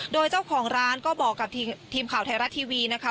โดยเจ้าของร้านก็บอกกับทีมข่าวไทยรัฐทีวีนะคะ